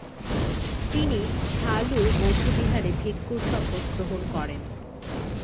তিনি ঝ্বা-লু বৌদ্ধবিহারে ভিক্ষুর শপথ গ্রহণ করেন।